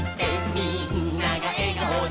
「みんながえがおで」